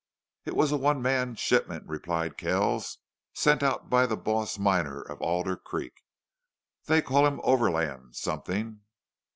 "It was a one man shipment," replied Kells. "Sent out by the boss miner of Alder Creek. They call him Overland something."